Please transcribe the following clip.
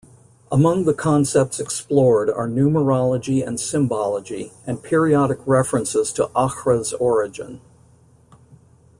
Among the concepts explored are numerology and symbology, and periodic references to Aughra's origin.